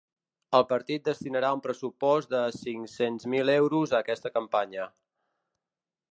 El partit destinarà un pressupost de cinc-cents mil euros a aquesta campanya.